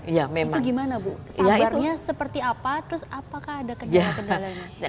itu gimana bu sahabatnya seperti apa terus apakah ada kendala kendalanya